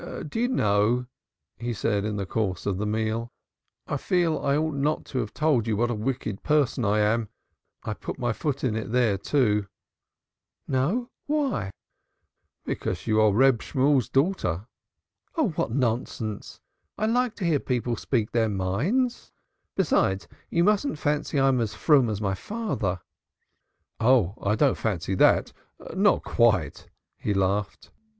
"Do you know," he said in the course of the meal, "I feel I ought not to have told you what a wicked person I am? I put my foot into it there, too." "No, why?" "Because you are Reb Shemuel's daughter." "Oh, what nonsense! I like to hear people speak their minds. Besides, you mustn't fancy I'm as froom as my father." "I don't fancy that. Not quite," he laughed.